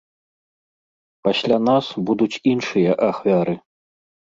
Пасля нас будуць іншыя ахвяры.